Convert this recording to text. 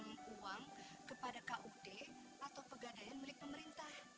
kami menjam uang kepada kud atau pegadaian milik pemerintah